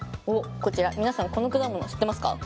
こちら皆さんこの果物知ってますか？